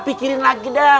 pikirin lagi dah